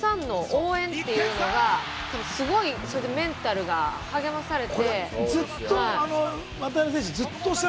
お客さんの応援というのがすごいメンタルが励まされて。